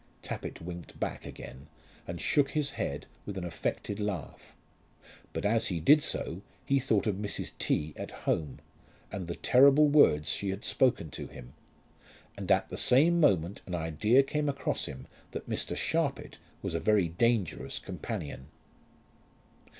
Tappitt winked back again and shook his head with an affected laugh; but as he did so he thought of Mrs. T. at home, and the terrible words she had spoken to him; and at the same moment an idea came across him that Mr. Sharpit was a very dangerous companion.